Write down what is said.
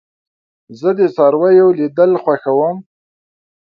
زه د څارويو لیدل خوښوم.